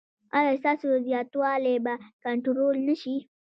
ایا ستاسو زیاتوالی به کنټرول نه شي؟